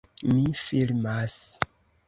Mi filmas.